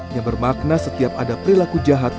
yang bermakna setiap ada perilaku jahat